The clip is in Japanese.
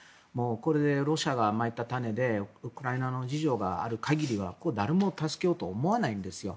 これでロシアがまいた種でウクライナの事情がある限りは誰も助けようと思わないんです。